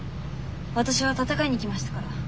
私は戦いに来ましたから。